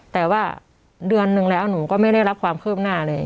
แต่ว่าเดือนนึงแล้วหนูก็ไม่ได้รับความคืบหน้าเลย